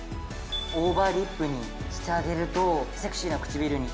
オーバーリップにしてあげるとセクシーな唇に。